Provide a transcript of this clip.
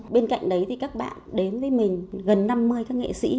bên cạnh đấy thì các bạn đến với mình gần năm mươi các nghệ sĩ